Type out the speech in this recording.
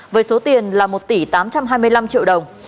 với số tiền là một tỷ tám trăm hai mươi năm triệu đồng